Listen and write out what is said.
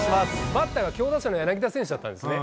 バッターが強打者の柳田選手だったんですね。